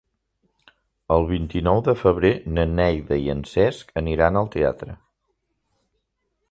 El vint-i-nou de febrer na Neida i en Cesc aniran al teatre.